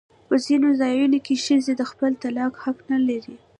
په ځینو ځایونو کې ښځې د خپل طلاق حق نه لري.